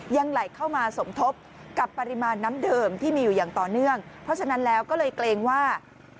ยังไหลเข้ามาสมทบกับปริมาณน้ำเดิมที่มีอยู่อย่างต่อเนื่องเพราะฉะนั้นแล้วก็เลยเกรงว่า